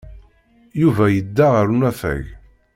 Yuba yedda ɣer unafag.